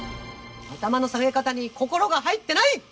頭の下げ方に心が入ってない！